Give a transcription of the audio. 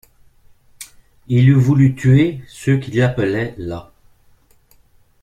Il eût voulu tuer ceux qui l'appelaient là.